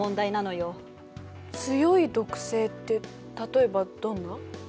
強い毒性って例えばどんな？